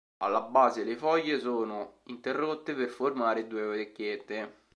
Alla base le foglie sono interrotte per formare due orecchiette.